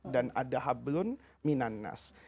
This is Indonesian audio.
dan ada hablun minannas